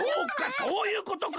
そういうことか！